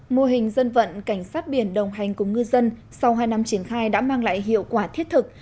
mô hình dân vận cảnh sát biển đồng hành cùng ngư dân sau hai năm triển khai đã mang lại hiệu quả thiết thực